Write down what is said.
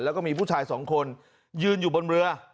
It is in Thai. แล้วก็มีผู้ชายสองคนยืนอยู่บนเรือ